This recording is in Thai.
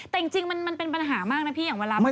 แต่จริงมันเป็นปัญหามากอย่างเวลาไปไหน